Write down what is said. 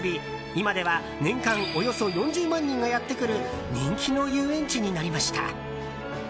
今では年間およそ４０万人がやってくる人気の遊園地になりました。